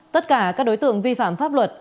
tất cả các đối tượng vi phạm pháp luật